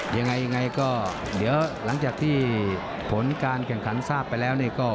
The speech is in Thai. ยังไงยังไงก็เดี๋ยวหลังจากที่ผลการแข่งขันทราบไปแล้วเนี่ยก็